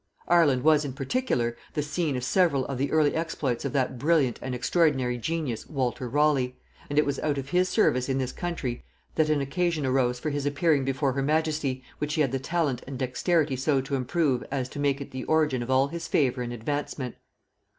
Ireland was, in particular, the scene of several of the early exploits of that brilliant and extraordinary genius Walter Raleigh; and it was out of his service in this country that an occasion arose for his appearing before her majesty, which he had the talent and dexterity so to improve as to make it the origin of all his favor and advancement.